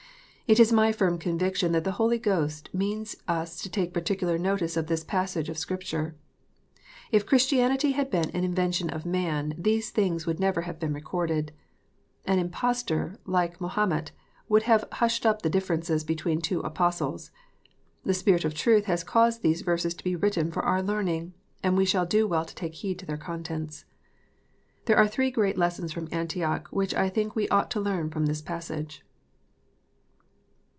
It is my firm conviction that the Holy Ghost means us to take particular notice of this passage of Scripture. If Chris tianity had been an invention of man, these things would never have been recorded. An impostor, like Mahomet, would have hushed up the difference between two Apostles. The Spirit of truth has caused these verses to be written for our learning, and we shall do well to take heed to their contents. There are three great lessons from Antioch, which I think we ought to learn from this passage.